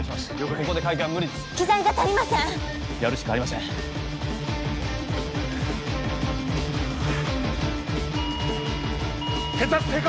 ここで開胸は無理です機材が足りませんやるしかありません血圧低下！